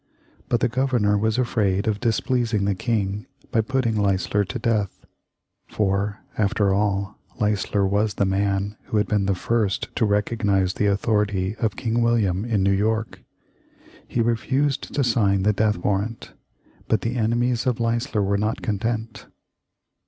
But the Governor was afraid of displeasing the King by putting Leisler to death, for, after all, Leisler was the man who had been the first to recognize the authority of King William in New York. He refused to sign the death warrant. But the enemies of Leisler were not content.